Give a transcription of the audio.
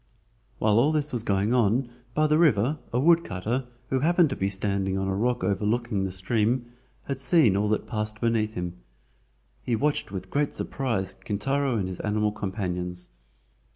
While all this was going on by the river a woodcutter, who happened to be standing on a rock overlooking the stream, had seen all that passed beneath him. He watched with great surprise Kintaro and his animal companions.